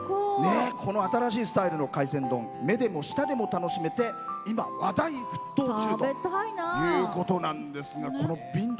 この新しいスタイルの海鮮丼目でも舌でも楽しめて今、話題沸騰中ということなんですが。